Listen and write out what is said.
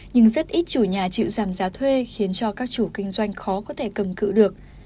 nhưng rất ít chủ nhà chịu giảm giá thuê khiến cho các chủ kinh doanh khó có thể cầm cự được